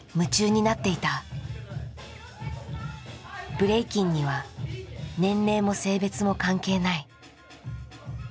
ブレイキンには年齢も性別も関係ない。